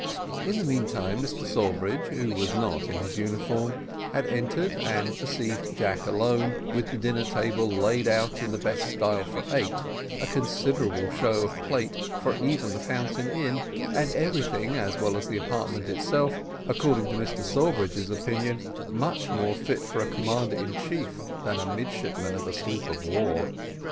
In the meantime Mr Sawbridge, who was not in his uniform, had entered, and perceived Jack alone, with the dinner table laid out in the best style for eight, a considerable show of plate for even the Fountain Inn, and everything, as well as the apartment itself, according to Mr Sawbridge's opinion, much more fit for a commander in chief than a midshipman of a sloop of war.